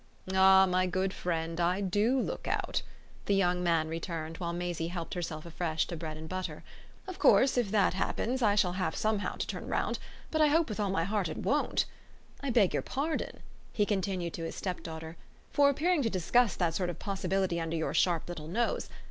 "Ah my good friend, I do look out!" the young man returned while Maisie helped herself afresh to bread and butter. "Of course if that happens I shall have somehow to turn round; but I hope with all my heart it won't. I beg your pardon," he continued to his stepdaughter, "for appearing to discuss that sort of possibility under your sharp little nose.